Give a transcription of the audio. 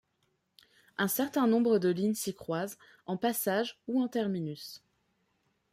Un certain nombre de lignes s'y croisent, en passage ou en terminus.